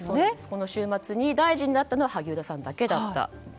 この週末に大臣で会ったのは萩生田さんだけだった。